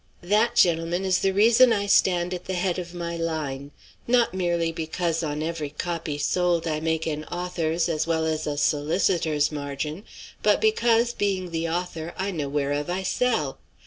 That, gentlemen, is the reason I stand at the head of my line; not merely because on every copy sold I make an author's as well as a solicitor's margin; but because, being the author, I know whereof I sell.